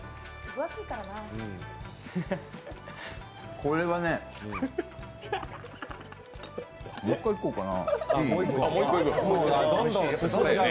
これはねもう一回いこうかな。